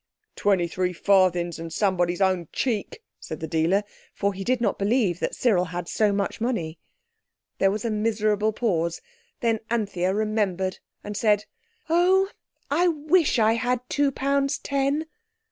"Twenty three farthings and somebody's own cheek," said the dealer, for he did not believe that Cyril had so much money. There was a miserable pause. Then Anthea remembered, and said— "Oh! I wish I had two pounds ten."